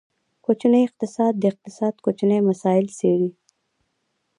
کوچنی اقتصاد، د اقتصاد کوچني مسایل څیړي.